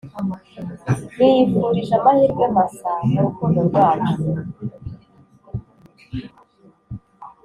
Niyifurije amahirwe masa mu rukundo rwacu